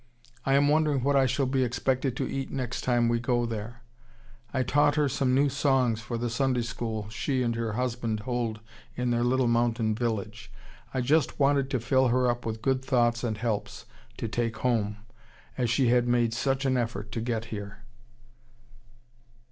I am wondering what I shall be expected to eat next time we go there. I taught her some new songs for the Sunday School she and her husband hold in their little mountain village. I just wanted to fill her up with good thoughts and helps to take home, as she had made such an effort to get here."